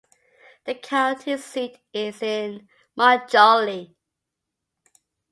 The county seat is in Mont-Joli.